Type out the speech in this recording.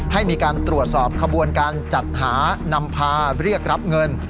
ให้มีการตรวจสอบขบวนการจัดหานำพาเรียกรับเงิน